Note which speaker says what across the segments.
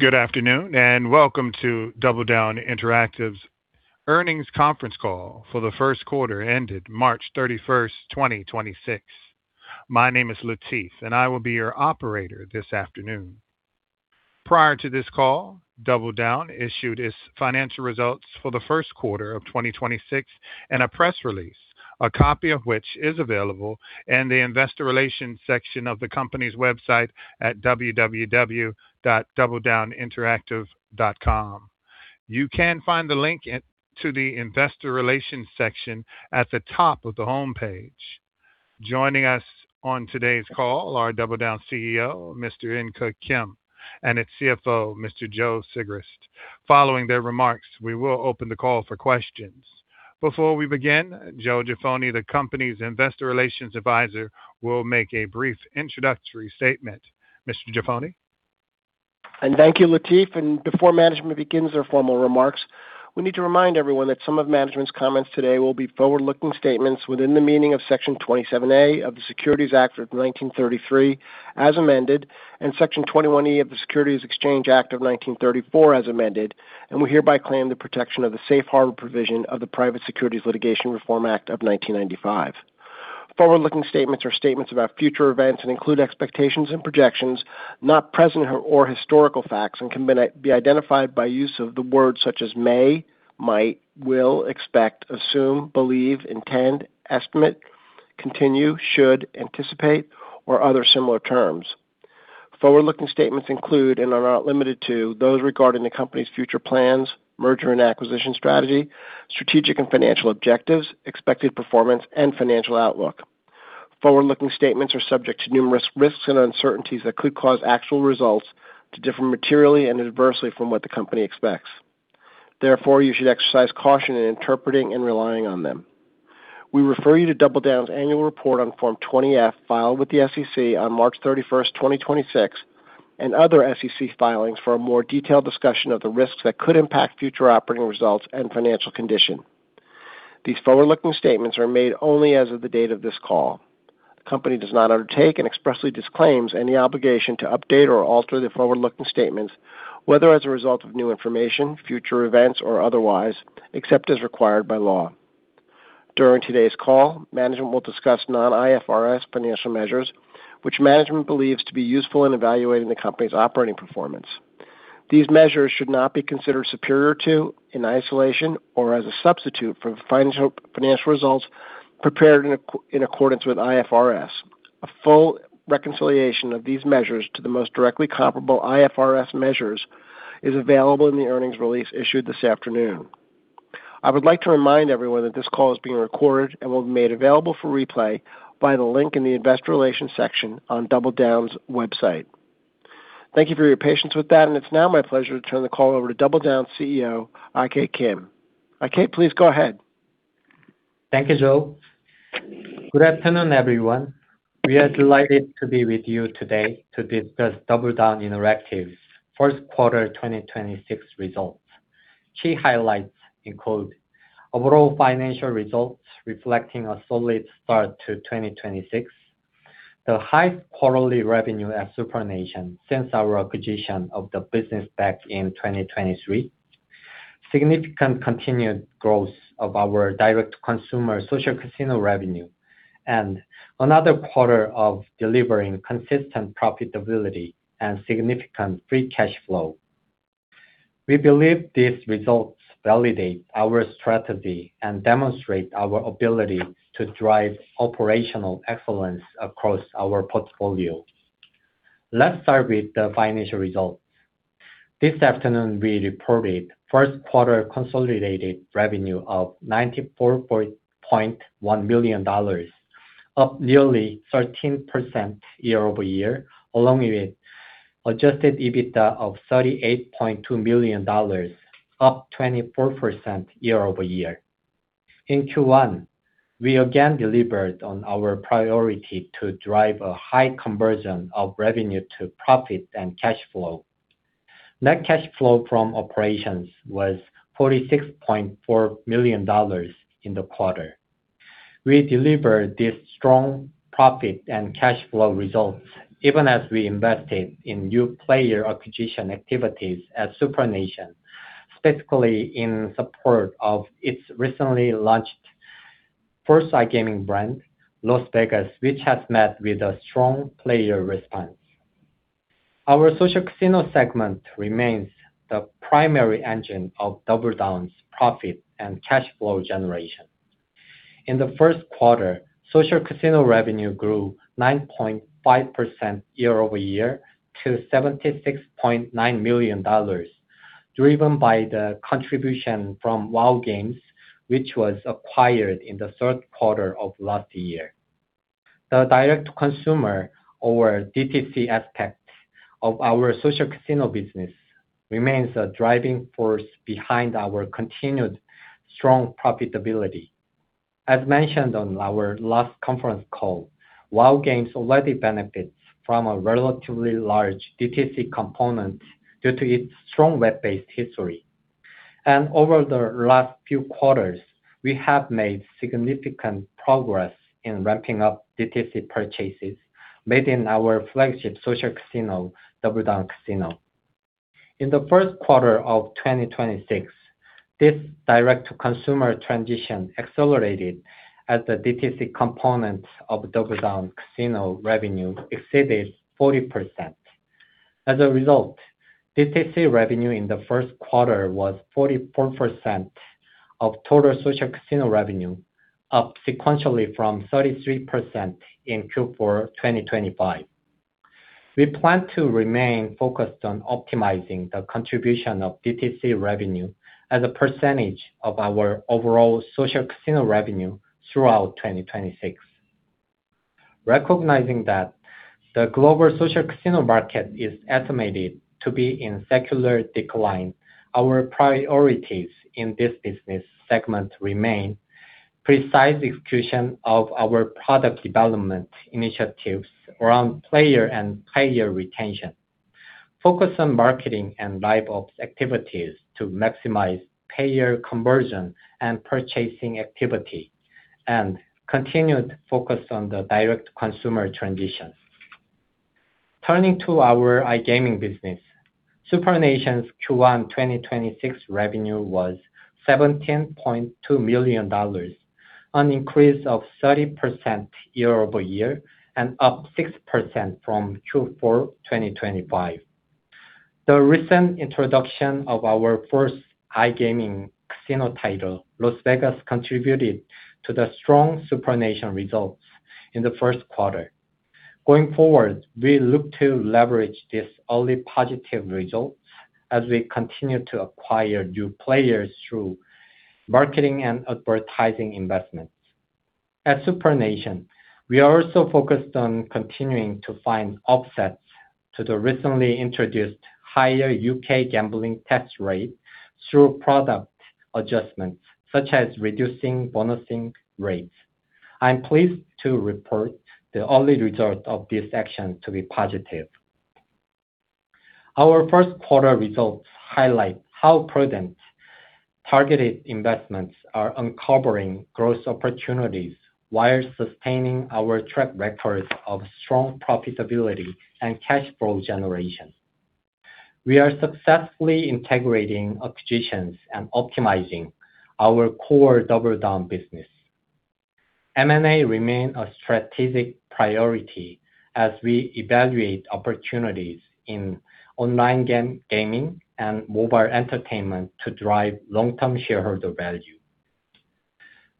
Speaker 1: Good afternoon, and welcome to DoubleDown Interactive's earnings conference call for the 1st quarter ended March 31st, 2026. My name is Latif, and I will be your operator this afternoon. Prior to this call, DoubleDown issued its financial results for the first quarter of 2026 in a press release, a copy of which is available in the investor relations section of the company's website at www.doubledowninteractive.com. You can find the link to the investor relations section at the top of the homepage. Joining us on today's call are DoubleDown CEO, Mr. In Keuk Kim, and its CFO, Mr. Joseph A. Sigrist. Following their remarks, we will open the call for questions. Before we begin, Joseph Jaffoni, the company's Investor Relations Advisor, will make a brief introductory statement. Mr. Jaffoni.
Speaker 2: Thank you, Latif. Before management begins their formal remarks, we need to remind everyone that some of management's comments today will be forward-looking statements within the meaning of Section 27A of the Securities Act of 1933 as amended, and Section 21E of the Securities Exchange Act of 1934 as amended, and we hereby claim the protection of the safe harbor provision of the Private Securities Litigation Reform Act of 1995. Forward-looking statements are statements about future events and include expectations and projections not present or historical facts, and can be identified by use of the words such as may, might, will, expect, assume, believe, intend, estimate, continue, should, anticipate, or other similar terms. Forward-looking statements include, and are not limited to, those regarding the company's future plans, merger and acquisition strategy, strategic and financial objectives, expected performance and financial outlook. Forward-looking statements are subject to numerous risks and uncertainties that could cause actual results to differ materially and adversely from what the company expects. You should exercise caution in interpreting and relying on them. We refer you to DoubleDown's annual report on Form 20-F filed with the SEC on March 31st, 2026, and other SEC filings for a more detailed discussion of the risks that could impact future operating results and financial condition. These forward-looking statements are made only as of the date of this call. The company does not undertake and expressly disclaims any obligation to update or alter the forward-looking statements, whether as a result of new information, future events, or otherwise, except as required by law. During today's call, management will discuss non-IFRS financial measures, which management believes to be useful in evaluating the company's operating performance. These measures should not be considered superior to, in isolation, or as a substitute for financial results prepared in accordance with IFRS. A full reconciliation of these measures to the most directly comparable IFRS measures is available in the earnings release issued this afternoon. I would like to remind everyone that this call is being recorded and will be made available for replay by the link in the investor relations section on DoubleDown's website. Thank you for your patience with that. It's now my pleasure to turn the call over to DoubleDown CEO, IK Kim. IK, please go ahead.
Speaker 3: Thank you, Joe. Good afternoon, everyone. We are delighted to be with you today to discuss DoubleDown Interactive's first quarter 2026 results. Key highlights include overall financial results reflecting a solid start to 2026, the highest quarterly revenue at SuprNation since our acquisition of the business back in 2023, significant continued growth of our direct-to-consumer social casino revenue, and another quarter of delivering consistent profitability and significant free cash flow. We believe these results validate our strategy and demonstrate our ability to drive operational excellence across our portfolio. Let's start with the financial results. This afternoon, we reported first quarter consolidated revenue of $94.1 million, up nearly 13% year-over-year, along with adjusted EBITDA of $38.2 million, up 24% year-over-year. In Q1, we again delivered on our priority to drive a high conversion of revenue to profit and cash flow. Net cash flow from operations was $46.4 million in the quarter. We delivered this strong profit and cash flow results even as we invested in new player acquisition activities at SuprNation, specifically in support of its recently launched first iGaming brand, Las Vegas, which has met with a strong player response. Our social casino segment remains the primary engine of DoubleDown's profit and cash flow generation. In the first quarter, social casino revenue grew 9.5% year-over-year to $76.9 million, driven by the contribution from WHOW Games, which was acquired in the third quarter of last year. The direct-to-consumer, or DTC aspect of our social casino business remains a driving force behind our continued strong profitability. As mentioned on our last conference call, WHOW Games already benefits from a relatively large DTC component due to its strong web-based history. Over the last few quarters, we have made significant progress in ramping up DTC purchases made in our flagship social casino, DoubleDown Casino. In the first quarter of 2026, this direct to consumer transition accelerated as the DTC component of DoubleDown Casino revenue exceeded 40%. As a result, DTC revenue in the first quarter was 44% of total social casino revenue, up sequentially from 33% in Q4 2025. We plan to remain focused on optimizing the contribution of DTC revenue as a percentage of our overall social casino revenue throughout 2026. Recognizing that the global social casino market is estimated to be in secular decline, our priorities in this business segment remain precise execution of our product development initiatives around player and payer retention. Focus on marketing and live ops activities to maximize payer conversion and purchasing activity, Continued focus on the direct-to-consumer transition. Turning to our iGaming business, SuprNation's Q1 2026 revenue was $17.2 million, an increase of 30% year-over-year and up 6% from Q4 2025. The recent introduction of our first iGaming casino title, Las Vegas, contributed to the strong SuprNation results in the first quarter. Going forward, we look to leverage this early positive results as we continue to acquire new players through marketing and advertising investments. At SuprNation, we are also focused on continuing to find offsets to the recently introduced higher U.K. gambling tax rate through product adjustments, such as reducing bonusing rates. I'm pleased to report the early results of this action to be positive. Our first quarter results highlight how prudent targeted investments are uncovering growth opportunities while sustaining our track records of strong profitability and cash flow generation. We are successfully integrating acquisitions and optimizing our core DoubleDown business. M&A remain a strategic priority as we evaluate opportunities in online gaming and mobile entertainment to drive long-term shareholder value.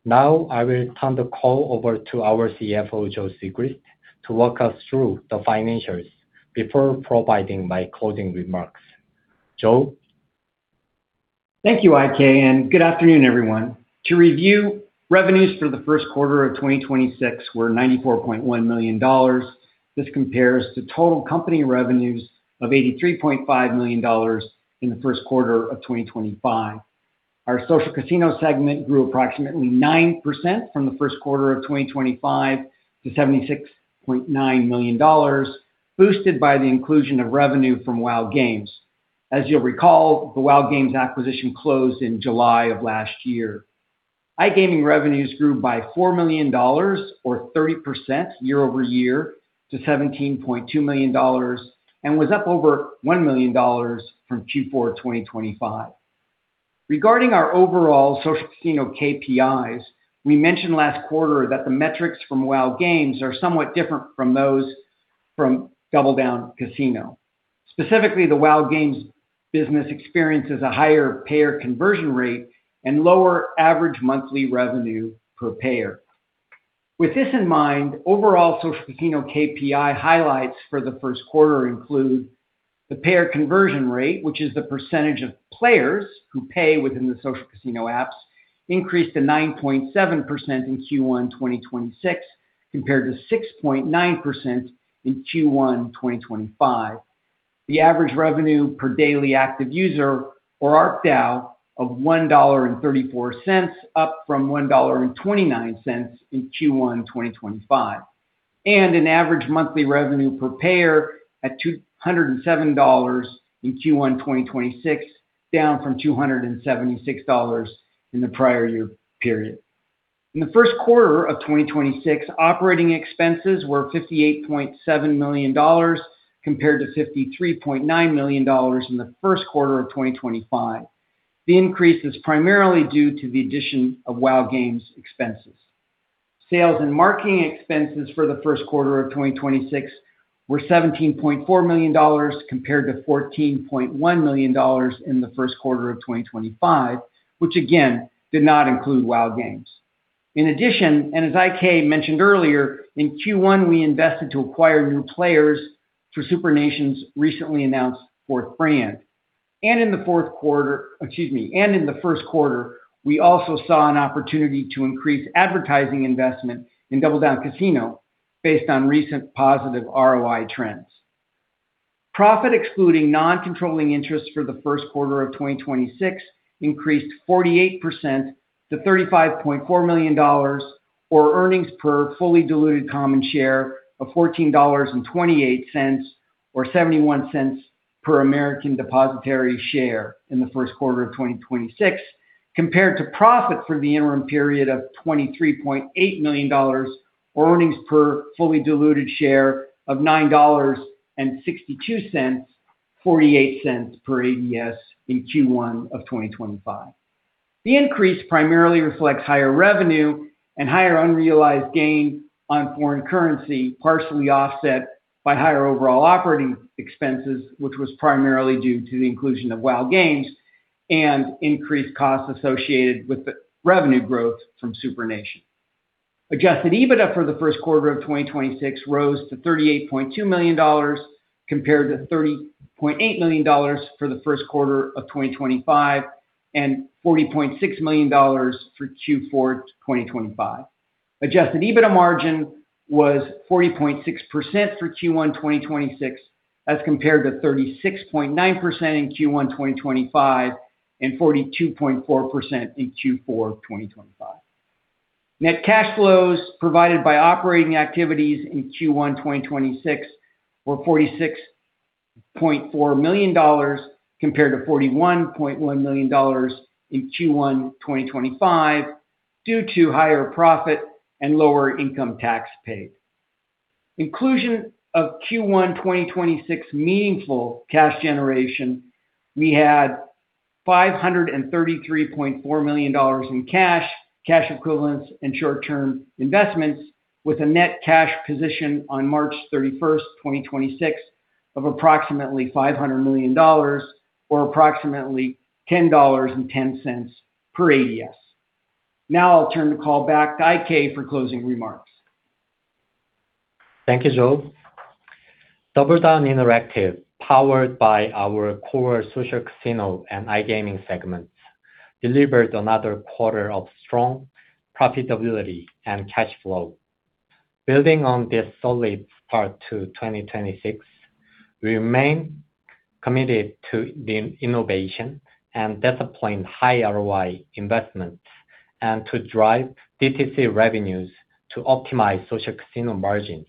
Speaker 3: Now, I will turn the call over to our CFO, Joseph Sigrist, to walk us through the financials before providing my closing remarks. Joe.
Speaker 4: Thank you, IK. Good afternoon, everyone. To review, revenues for the first quarter of 2026 were $94.1 million. This compares to total company revenues of $83.5 million in the first quarter of 2025. Our social casino segment grew approximately 9% from the first quarter of 2025 to $76.9 million, boosted by the inclusion of revenue from WHOW Games. As you'll recall, the WHOW Games acquisition closed in July of last year. iGaming revenues grew by $4 million or 30% year-over-year to $17.2 million, and was up over $1 million from Q4 2025. Regarding our overall Social Casino KPIs, we mentioned last quarter that the metrics from WHOW Games are somewhat different from those from DoubleDown Casino. Specifically, the WHOW Games business experiences a higher payer conversion rate and lower average monthly revenue per payer. With this in mind, overall Social Casino KPI highlights for the first quarter include the payer conversion rate, which is the percentage of players who pay within the Social Casino apps, increased to 9.7% in Q1 2026, compared to 6.9% in Q1 2025. The average revenue per daily active user, or ARPDAU, of $1.34, up from $1.29 in Q1 2025. An average monthly revenue per payer at $207 in Q1 2026, down from $276 in the prior year period. In the first quarter of 2026, operating expenses were $58.7 million, compared to $53.9 million in the first quarter of 2025. The increase is primarily due to the addition of WHOW Games expenses. Sales and marketing expenses for the first quarter of 2026 were $17.4 million, compared to $14.1 million in the first quarter of 2025, which again, did not include WHOW Games. In addition, as IK mentioned earlier, in Q1, we invested to acquire new players through SuprNation's recently announced fourth brand. In the fourth quarter-- excuse me, in the first quarter, we also saw an opportunity to increase advertising investment in DoubleDown Casino based on recent positive ROI trends. Profit excluding non-controlling interest for the first quarter of 2026 increased 48% to $35.4 million, or earnings per fully diluted common share of $14.28, or $0.71 per American depositary share in the first quarter of 2026, compared to profit for the interim period of $23.8 million, or earnings per fully diluted share of $9.62, $0.48 per ADS in Q1 2025. The increase primarily reflects higher revenue and higher unrealized gain on foreign currency, partially offset by higher overall operating expenses, which was primarily due to the inclusion of WHOW Games and increased costs associated with the revenue growth from SuprNation. Adjusted EBITDA for the first quarter of 2026 rose to $38.2 million compared to $30.8 million for the first quarter of 2025, and $40.6 million for Q4 2025. Adjusted EBITDA margin was 40.6% for Q1 2026 as compared to 36.9% in Q1 2025 and 42.4% in Q4 2025. Net cash flows provided by operating activities in Q1 2026 were $46.4 million compared to $41.1 million in Q1 2025 due to higher profit and lower income tax paid. Inclusion of Q1 2026 meaningful cash generation, we had $533.4 million in cash equivalents, and short-term investments, with a net cash position on March 31st, 2026 of approximately $500 million or approximately $10.10 per ADS. I'll turn the call back to IK for closing remarks.
Speaker 3: Thank you, Joe. DoubleDown Interactive, powered by our core social casino and iGaming segments, delivered another quarter of strong profitability and cash flow. Building on this solid start to 2026, we remain committed to the innovation and disciplined high ROI investments and to drive DTC revenues to optimize social casino margins.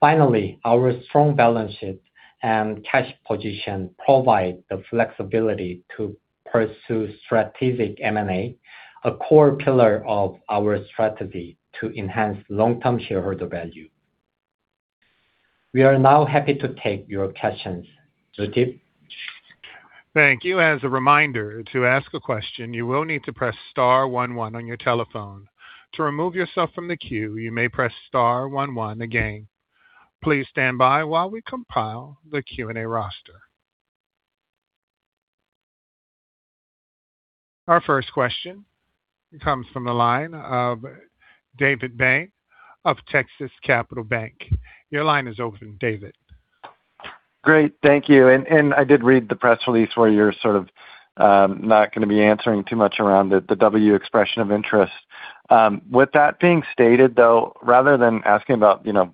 Speaker 3: Finally, our strong balance sheet and cash position provide the flexibility to pursue strategic M&A, a core pillar of our strategy to enhance long-term shareholder value. We are now happy to take your questions. Joseph?
Speaker 1: Thank you. As a reminder, to ask a question, you will need to press star one one on your telephone. To remove yourself from the queue, you may press star one one again. Please stand by while we compile the Q&A roster. Our first question comes from the line of David Bank of Texas Capital Bank. Your line is open, David.
Speaker 5: Great. Thank you. I did read the press release where you're sort of, not gonna be answering too much around the WHOW expression of interest. With that being stated, though, rather than asking about, you know,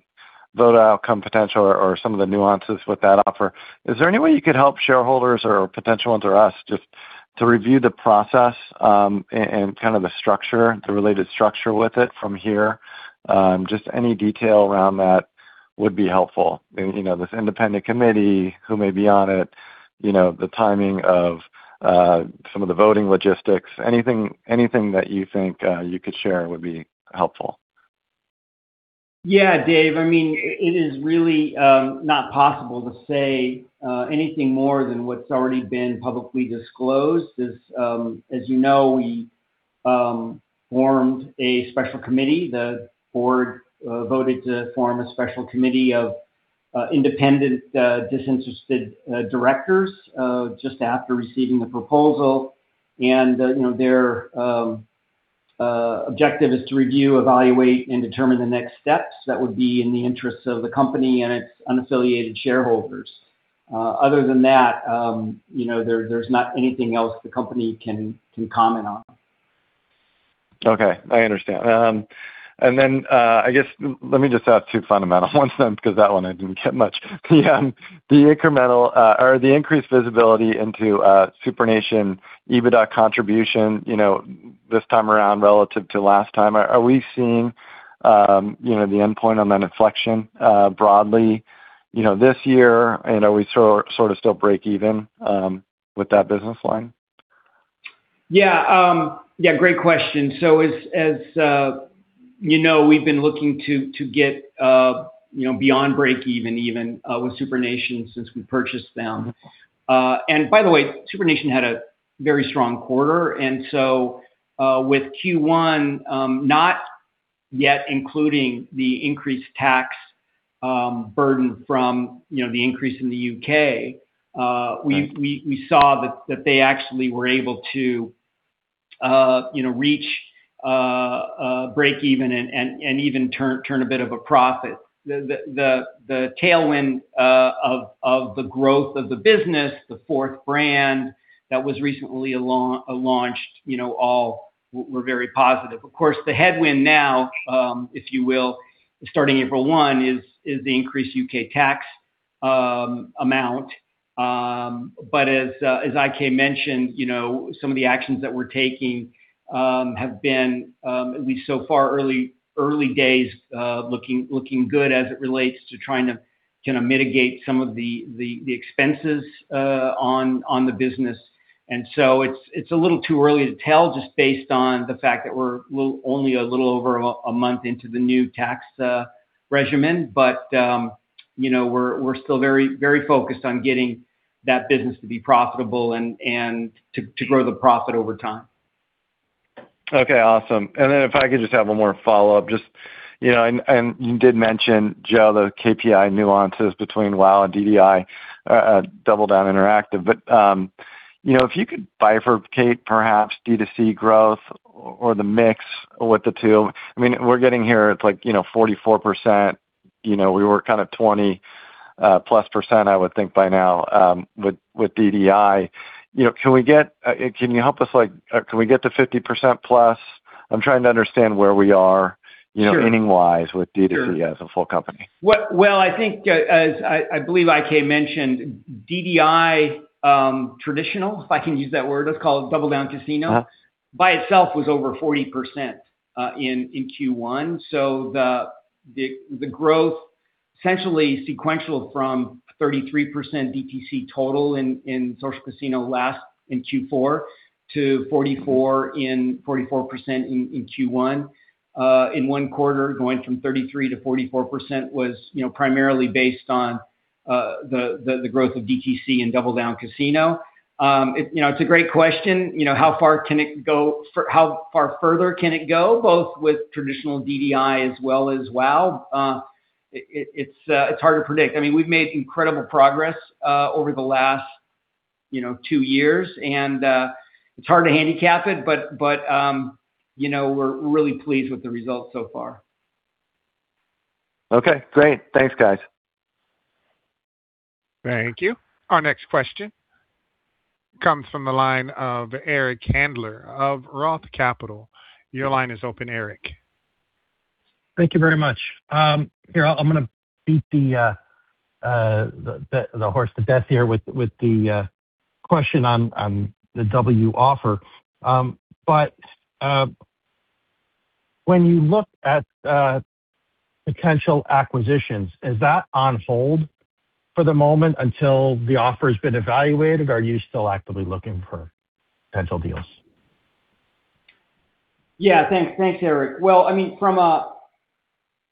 Speaker 5: voter outcome potential or some of the nuances with that offer, is there any way you could help shareholders or potential ones or us just to review the process, and kind of the structure, the related structure with it from here? Just any detail around that would be helpful. You know, this independent committee, who may be on it, you know, the timing of, some of the voting logistics. Anything that you think, you could share would be helpful.
Speaker 4: Yeah, Dave, I mean, it is really not possible to say anything more than what's already been publicly disclosed. As you know, we formed a special committee. The board voted to form a special committee of independent, disinterested directors just after receiving the proposal. You know, their objective is to review, evaluate, and determine the next steps that would be in the interests of the company and its unaffiliated shareholders. Other than that, you know, there's not anything else the company can comment on.
Speaker 5: Okay. I understand. Let me just ask two fundamental ones then, 'cause that one I didn't get much. The increased visibility into SuprNation EBITDA contribution this time around relative to last time. Are we seeing the endpoint on that inflection broadly this year? Are we sort of still breakeven with that business line?
Speaker 4: Great question. As, you know, we've been looking to get, you know, beyond breakeven even with SuprNation since we purchased them. By the way, SuprNation had a very strong quarter. With Q1, not yet including the increased tax burden from, you know, the increase in the U.K.
Speaker 5: Right
Speaker 4: We saw that they actually were able to, you know, reach breakeven and even turn a bit of a profit. The tailwind of the growth of the business, the fourth brand that was recently launched, you know, all were very positive. Of course, the headwind now, if you will, starting April 1, is the increased U.K. tax amount. As IK mentioned, you know, some of the actions that we're taking have been, at least so far, early days, looking good as it relates to trying to kinda mitigate some of the expenses on the business. It's a little too early to tell just based on the fact that we're only a little over a month into the new tax regimen. You know, we're still very, very focused on getting that business to be profitable and to grow the profit over time.
Speaker 5: Okay, awesome. If I could just have one more follow-up, you know, you did mention, Joe, the KPI nuances between WHOW and DDI, DoubleDown Interactive. If you could bifurcate perhaps D2C growth or the mix with the two. I mean, we're getting here at 44%, we were kind of 20%+ I would think by now with DDI. You know, can we get, can you help us, can we get to 50%+? I'm trying to understand where we are.
Speaker 4: Sure
Speaker 5: you know, earning-wise with D2C.
Speaker 4: Sure
Speaker 5: as a full company.
Speaker 4: Well, I think, as I believe IK mentioned, DDI, traditional, if I can use that word, let's call it DoubleDown Casino. By itself was over 40% in Q1. The growth essentially sequential from 33% DTC total in social casino last in Q4 to 44% in Q1. In one quarter, going from 33%-44% was, you know, primarily based on the growth of DTC in DoubleDown Casino. It, you know, it's a great question. You know, how far further can it go, both with traditional DDI as well as WHOW Games? It's hard to predict. I mean, we've made incredible progress over the last, you know, two years and it's hard to handicap it, but, you know, we're really pleased with the results so far.
Speaker 5: Okay, great. Thanks, guys.
Speaker 1: Thank you. Our next question comes from the line of Eric Handler of ROTH Capital. Your line is open, Eric.
Speaker 6: Thank you very much. Here, I'm gonna beat the horse to death here with the question on the WHOW Games offer. When you look at potential acquisitions, is that on hold for the moment until the offer's been evaluated? Are you still actively looking for potential deals?
Speaker 4: Yeah. Thanks. Thanks, Eric. Well, I mean, from an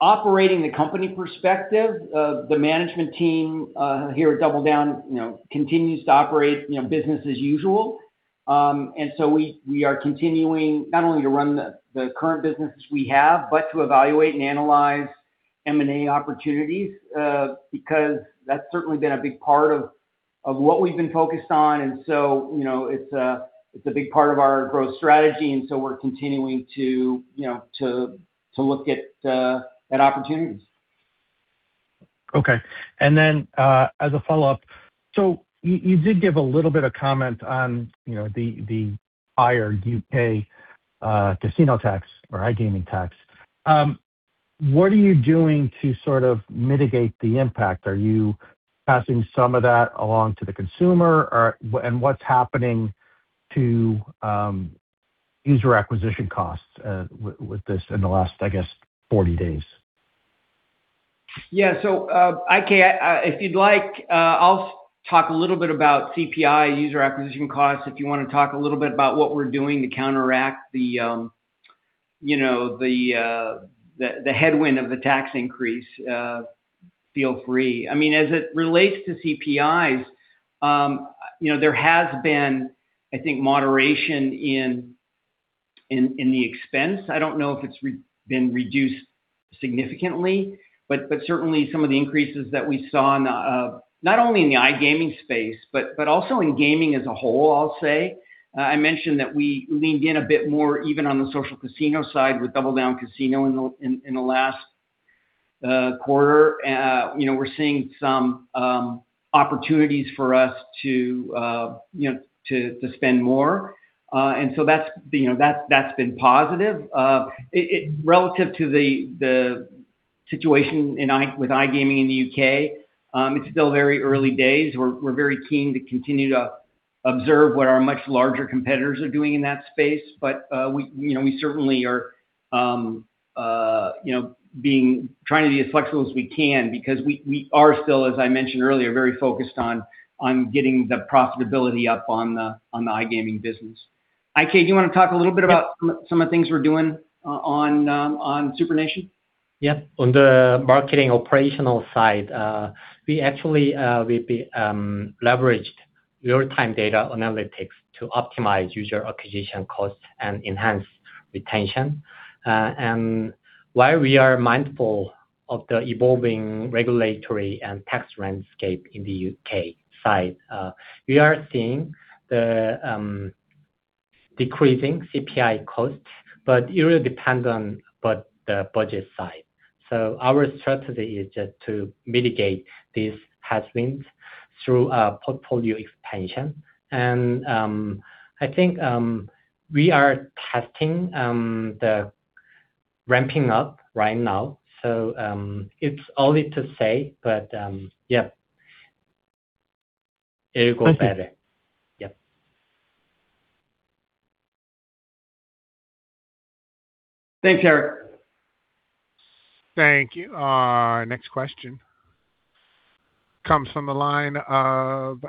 Speaker 4: operating the company perspective, the management team here at DoubleDown, you know, continues to operate, you know, business as usual. We are continuing not only to run the current businesses we have, but to evaluate and analyze M&A opportunities, because that's certainly been a big part of what we've been focused on. You know, it's a big part of our growth strategy, we're continuing to, you know, to look at opportunities.
Speaker 6: Okay. As a follow-up, you did give a little bit of comment on, you know, the higher U.K. casino tax or iGaming tax. What are you doing to sort of mitigate the impact? Are you passing some of that along to the consumer? What's happening to user acquisition costs with this in the last, I guess, 40 days?
Speaker 4: IK, if you'd like, I'll talk a little bit about CPI user acquisition costs. If you wanna talk a little bit about what we're doing to counteract the, you know, the headwind of the tax increase, feel free. I mean, as it relates to CPIs, you know, there has been, I think, moderation in the expense. I don't know if it's been reduced significantly, but certainly some of the increases that we saw in not only in the iGaming space but also in gaming as a whole, I'll say. I mentioned that we leaned in a bit more even on the social casino side with DoubleDown Casino in the last quarter. You know, we're seeing some opportunities for us to, you know, to spend more. That's, you know, that's been positive. Relative to the situation with iGaming in the U.K., it's still very early days. We're very keen to continue to observe what our much larger competitors are doing in that space. We, you know, we certainly are, you know, trying to be as flexible as we can because we are still, as I mentioned earlier, very focused on getting the profitability up on the iGaming business. IK, do you wanna talk a little bit about some of the things we're doing on SuprNation?
Speaker 3: Yeah. On the marketing operational side, we actually, we leveraged real-time data analytics to optimize user acquisition costs and enhance retention. While we are mindful of the evolving regulatory and tax landscape in the U.K. side, we are seeing the decreasing CPI costs, but it really depends on the budget side. Our strategy is just to mitigate these headwinds through a portfolio expansion. I think we are testing, Ramping up right now. It's early to say, but yeah. It'll go better. Yeah.
Speaker 4: Thanks, Eric.
Speaker 1: Thank you. Our next question comes from the line of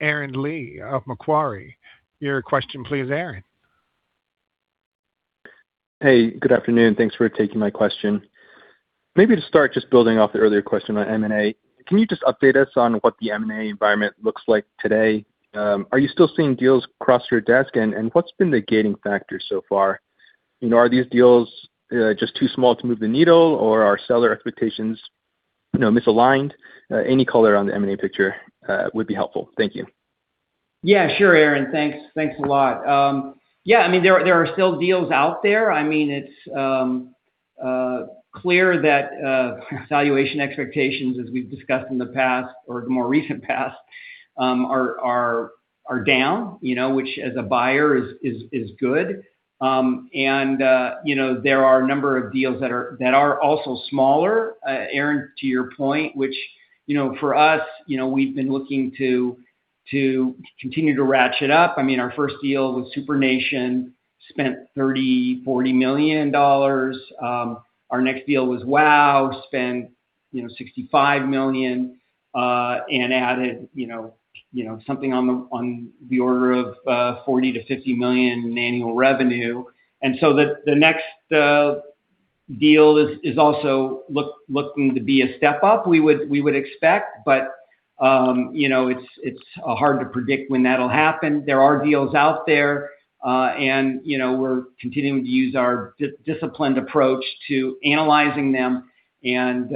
Speaker 1: Aaron Lee of Macquarie. Your question, please, Aaron.
Speaker 7: Hey, good afternoon. Thanks for taking my question. Maybe to start just building off the earlier question on M&A, can you just update us on what the M&A environment looks like today? Are you still seeing deals cross your desk? What's been the gating factor so far? You know, are these deals just too small to move the needle, or are seller expectations, you know, misaligned? Any color on the M&A picture would be helpful. Thank you.
Speaker 4: Sure, Aaron. Thanks. Thanks a lot. I mean, there are still deals out there. I mean, it's clear that valuation expectations, as we've discussed in the past or the more recent past, are down, you know, which as a buyer is good. You know, there are a number of deals that are also smaller, Aaron, to your point, which, you know, for us, you know, we've been looking to continue to ratchet up. I mean, our first deal with SuprNation spent $30 million-$40 million. Our next deal was WHOW Games, spent, you know, $65 million, and added, you know, something on the order of $40 million-$50 million in annual revenue. The next deal is also looking to be a step up, we would expect. You know, it's hard to predict when that'll happen. There are deals out there. You know, we're continuing to use our disciplined approach to analyzing them and,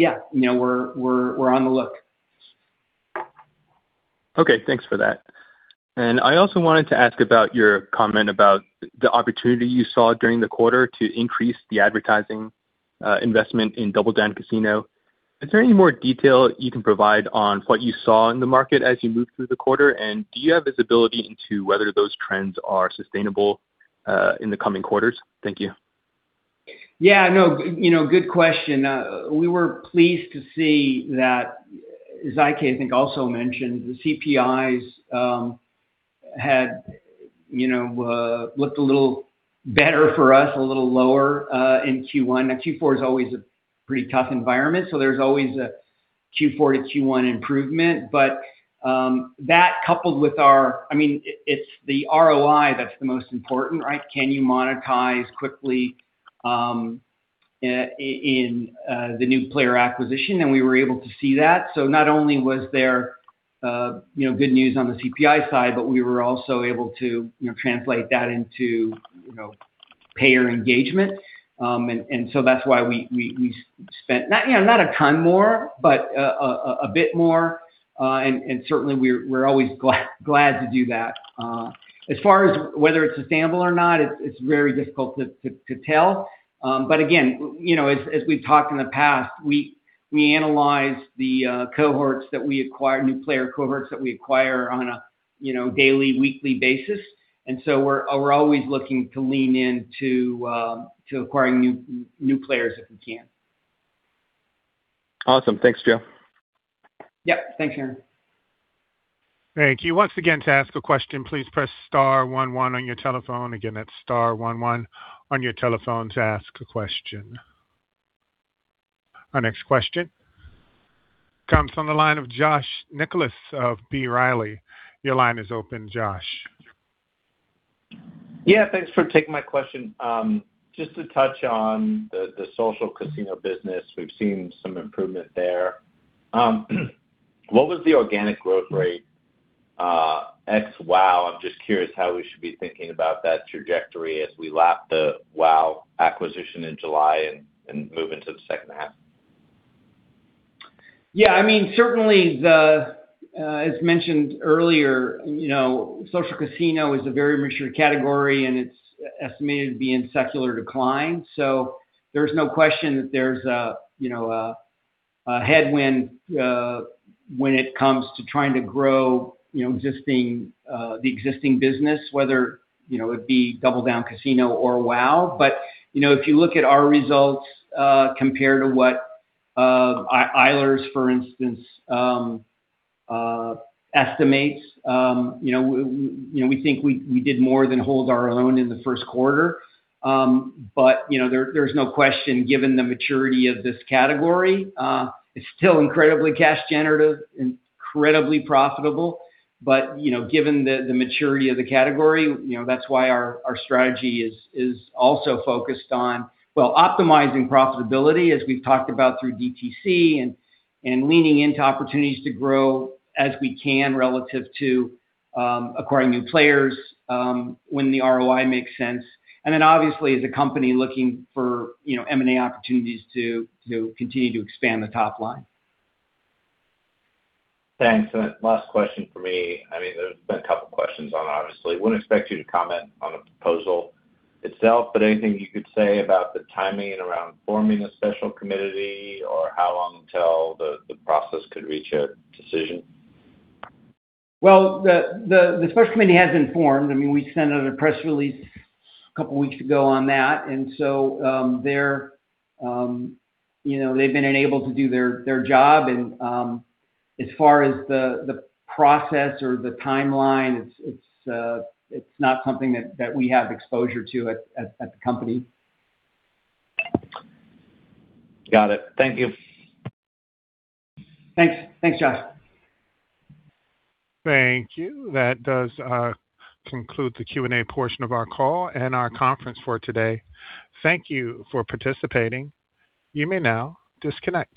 Speaker 4: yeah, you know, we're on the look.
Speaker 7: Okay. Thanks for that. I also wanted to ask about your comment about the opportunity you saw during the quarter to increase the advertising investment in DoubleDown Casino. Is there any more detail you can provide on what you saw in the market as you moved through the quarter? Do you have visibility into whether those trends are sustainable in the coming quarters? Thank you.
Speaker 4: Yeah, no, you know, good question. We were pleased to see that, as IK, I think, also mentioned, the CPIs had, you know, looked a little better for us, a little lower in Q1. Now, Q4 is always a pretty tough environment, so there's always a Q4 to Q1 improvement. That coupled with our I mean, it's the ROI that's the most important, right? Can you monetize quickly in the new player acquisition? We were able to see that. Not only was there, you know, good news on the CPI side, but we were also able to, you know, translate that into, you know, payer engagement. That's why we spent not, you know, not a ton more, but a bit more. Certainly we're always glad to do that. As far as whether it's a sample or not, it's very difficult to tell. Again, you know, as we've talked in the past, we analyze the cohorts that we acquire, new player cohorts that we acquire on a, you know, daily, weekly basis. We're always looking to lean in to acquiring new players if we can.
Speaker 7: Awesome. Thanks, Joe.
Speaker 4: Yep. Thanks, Aaron.
Speaker 1: Thank you. Once again, to ask a question, please press star one one on your telephone. Again, that's star one one on your telephone to ask a question. Our next question comes from the line of Josh Nichols of B. Riley. Your line is open, Josh.
Speaker 8: Yeah, thanks for taking my question. Just to touch on the social casino business, we've seen some improvement there. What was the organic growth rate, ex-WHOW? I'm just curious how we should be thinking about that trajectory as we lap the WHOW acquisition in July and move into the second half.
Speaker 4: Yeah, I mean, certainly the, as mentioned earlier, you know, social casino is a very mature category. It's estimated to be in secular decline. There's no question that there's a, you know, a headwind when it comes to trying to grow, you know, existing the existing business, whether, you know, it be DoubleDown Casino or WHOW. You know, if you look at our results compared to what Eilers, for instance, estimates, you know, we think we did more than hold our own in the first quarter. You know, there's no question given the maturity of this category. It's still incredibly cash generative and incredibly profitable. You know, given the maturity of the category, you know, that's why our strategy is also focused on, well, optimizing profitability as we've talked about through DTC and leaning into opportunities to grow as we can relative to acquiring new players when the ROI makes sense. Obviously, as a company looking for, you know, M&A opportunities to continue to expand the top line.
Speaker 8: Thanks. Last question for me. There's been a couple questions on it, obviously. Wouldn't expect you to comment on the proposal itself, but anything you could say about the timing around forming a special committee or how long until the process could reach a decision?
Speaker 4: Well, the special committee has been formed. I mean, we sent out a press release a couple weeks ago on that. They're, you know, they've been enabled to do their job. As far as the process or the timeline, it's not something that we have exposure to at the company.
Speaker 8: Got it. Thank you.
Speaker 4: Thanks. Thanks, Josh.
Speaker 1: Thank you. That does conclude the Q&A portion of our call and our conference for today. Thank you for participating. You may now disconnect.